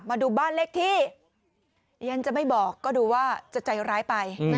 มาดูบ้านเลขที่ดิฉันจะไม่บอกก็ดูว่าจะใจร้ายไป